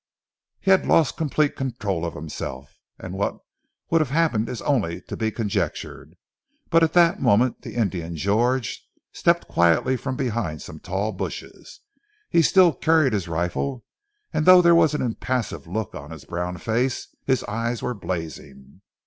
He had lost complete control of himself, and what would have happened is only to be conjectured, but at that moment the Indian George stepped quietly from behind some tall bushes. He still carried his rifle, and though there was an impassive look on his brown face, his eyes were blazing.